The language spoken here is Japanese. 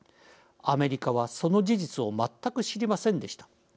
アメリカはその事実を全く知りませんでした。